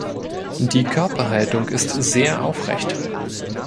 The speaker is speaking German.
Die Körperhaltung ist sehr aufrecht.